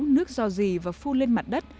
nước do dị và phu lên mặt đất